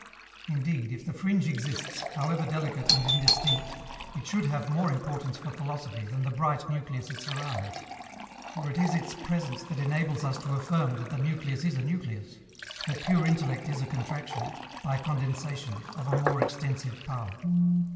Indeed, if the fringe exists, however delicate and indistinct, it should have more importance for philosophy than the bright nucleus it surrounds. For it is its presence that enables us to affirm that the nucleus is a nucleus, that pure intellect is a contraction, by condensation, of a more extensive power.